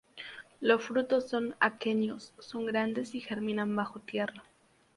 Los frutos son aquenios, son grandes y germinan bajo tierra.